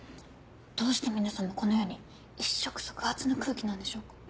どうして皆様このように一触即発の空気なんでしょうか？